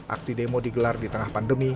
aksi demo digelar di tengah pandemi